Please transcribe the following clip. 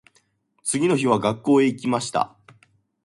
次の日は学校へ行きました。